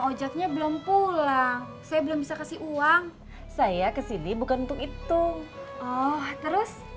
wah bu bang ojaknya belum pulang saya belum bisa kasih uang saya kesini bukan untuk itu oh terus